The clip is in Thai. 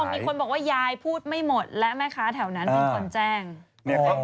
อ้อมีคนบอกว่ายายพูดไม่หมดและแม่คะแถวนั้น